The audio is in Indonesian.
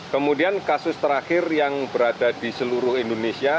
kemudian kasus terakhir yang berada di seluruh indonesia